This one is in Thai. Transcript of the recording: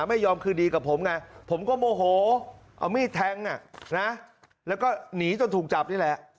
ในเวียนเล่าบอกว่าผมอยู่กินกับวาสนามีรูก๗ขวบแล้ว